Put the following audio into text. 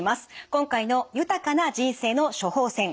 今回の「豊かな人生の処方せん」